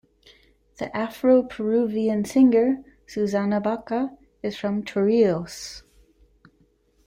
The Afro-Peruvian singer Susana Baca is from Chorrillos.